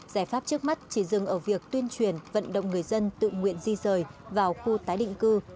giải pháp trước mắt chỉ dừng ở việc tuyên truyền vận động người dân tự nguyện di rời vào khu tái định cư